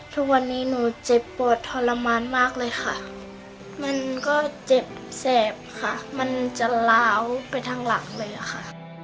ทุกวันนี้หนูเจ็บปวดทรมานมากเลยค่ะมันก็เจ็บแสบค่ะมันจะล้าวไปทางหลังเลยค่ะ